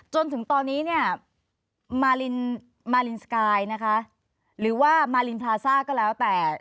จนถึงตอนนี้เนี่ยมารินมารินสกายนะคะหรือว่ามารินพลาซ่าก็แล้วแต่